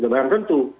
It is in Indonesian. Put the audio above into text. itu bahkan tentu